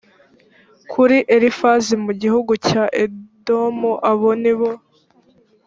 kuri elifazi mu gihugu cya edomu abo ni bo